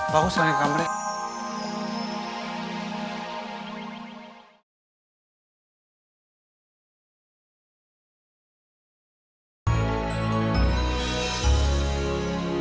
pak aku sering ke kameranya